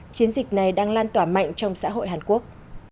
chiến dịch này đang lan tỏa mạnh trong xã hội hàn quốc